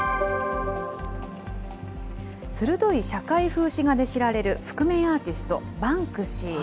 鋭い社会風刺画で知られる覆面アーティスト、バンクシー。